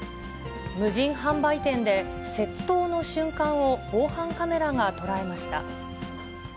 無人販売店で窃盗の瞬間を防犯カメラが捉えました。